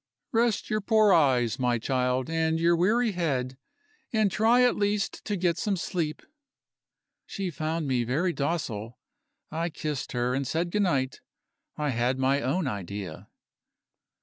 "Rest your poor eyes, my child, and your weary head and try at least to get some sleep." She found me very docile; I kissed her, and said good night. I had my own idea.